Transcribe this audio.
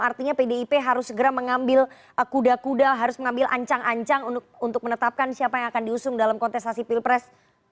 artinya pdip harus segera mengambil kuda kuda harus mengambil ancang ancang untuk menetapkan siapa yang akan diusung dalam kontestasi pilpres dua ribu sembilan belas